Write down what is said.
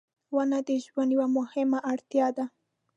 • ونه د ژوند یوه مهمه اړتیا ده.